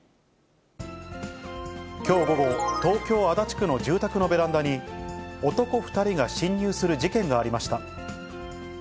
きょう午後、東京・足立区の住宅のベランダに、男２人が侵入する事件がありました。